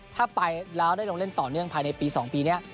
ถ้าไปแล้วได้ลงเล่นต่อเนื่องภายในปี๒ปีนี้